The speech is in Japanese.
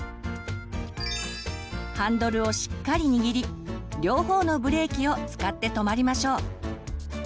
ハンドルをしっかり握り両方のブレーキを使って止まりましょう。